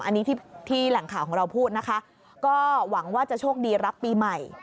อันนี้ที่แหล่งข่าวของเราพูดนะคะก็หวังว่าจะโชคดีรับปีใหม่